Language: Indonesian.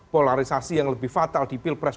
polarisasi yang lebih fatal di pilpres dua ribu dua puluh